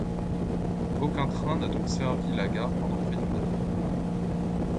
Aucun train n'a donc desservi la gare pendant près d'une année.